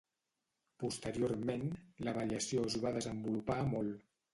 Posteriorment, la variació es va desenvolupar molt.